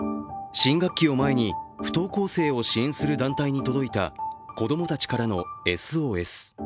新学期を前に、不登校生を支援する団体に届いた子供たちからのＳＯＳ。